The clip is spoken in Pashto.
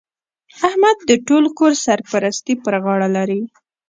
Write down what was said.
احمد د ټول کور سرپرستي پر غاړه لري.